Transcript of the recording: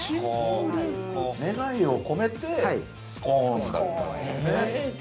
◆願いを込めて、スコーンだったんですね。